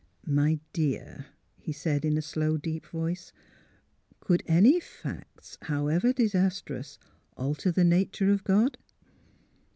'' My dear," he said, in a slow, deep voice, *' could any facts, however disastrous, alter the nature of God?